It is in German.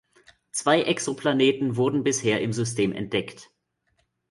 Zwei Exoplaneten wurden bisher im System entdeckt.